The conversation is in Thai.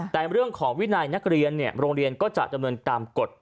แต่เรื่องของวินัยนักเรียนโรงเรียนก็จะดำเนินตามกฎ